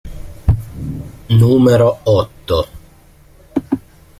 Numero otto.